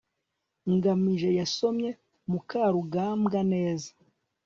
ngamije yasomye mukarugambwa neza